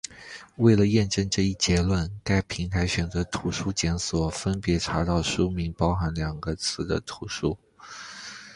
为验证这一结论，在该平台选择图书检索，分别查找书名包含两个词的图书。